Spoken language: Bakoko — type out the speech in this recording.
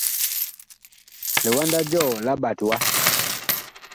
Liwanda jɔɔ la ɓat wa.